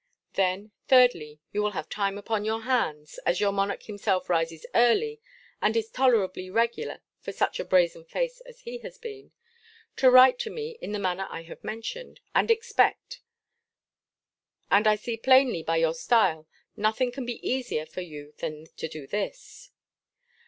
Then, thirdly, you will have time upon your hands (as your monarch himself rises early, and is tolerably regular for such a brazen face as he has been) to write to me in the manner I have mentioned, and expect; and I see plainly, by your style, nothing can be easier for you than to do this.